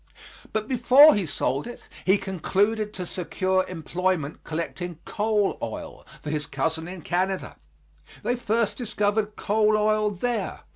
But before he sold it he concluded to secure employment collecting coal oil for his cousin in Canada. They first discovered coal oil there.